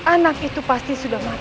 anak itu pasti sudah mati